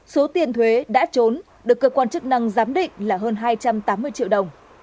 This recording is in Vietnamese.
số tiền thuế đã trốn được cơ quan chức năng giám định là hơn hai trăm tám mươi triệu đồng